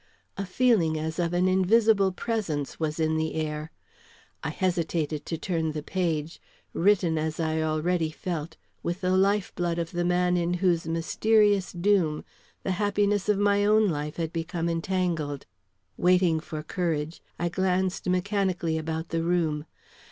A feeling as of an invisible presence was in the air. I hesitated to turn the page, written, as I already felt, with the life blood of the man in whose mysterious doom the happiness of my own life had become entangled. Waiting for courage, I glanced mechanically about the room.